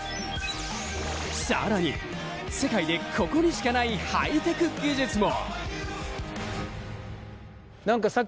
更に、世界でここにしかないハイテク技術も。